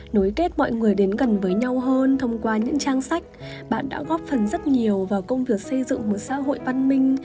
nối kết mọi người đến gần với nhau hơn thông qua những trang sách bạn đã góp phần rất nhiều vào công việc xây dựng một xã hội văn minh